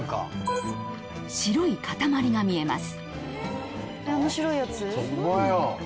白い塊が見えます